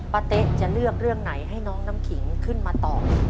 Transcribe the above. เต๊ะจะเลือกเรื่องไหนให้น้องน้ำขิงขึ้นมาตอบ